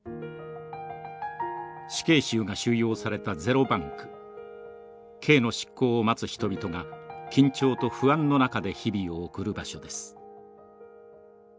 死刑囚が収容されたゼロ番区刑の執行を待つ人々が緊張と不安の中で日々を送る場所です。